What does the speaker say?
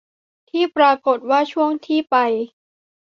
แต่ปรากฎว่าช่วงที่ไป